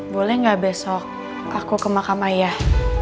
boleh nggak besok aku ke makam ayah